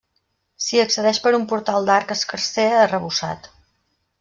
S'hi accedeix per un portal d'arc escarser arrebossat.